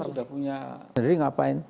mereka sudah punya sendiri ngapain